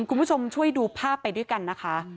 คุณผู้ชมช่วยดูภาพไปด้วยกันนะคะ